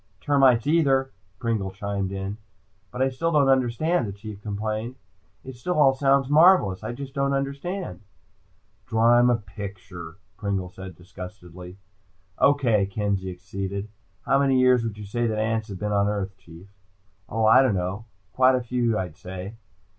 "Termites either," Pringle chimed in. "But I still don't understand," the Chief complained. "It still all sounds marvelous. I just don't understand." "Draw him a picture," Pringle said disgustedly. "Okay," Kenzie acceded. "How many years would you say ants have been on earth, Chief?" "Oh, I don't know," the Chief answered. "Quite a few, I'd say."